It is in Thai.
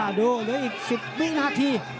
ดูเหลืออีก๑๐วินาที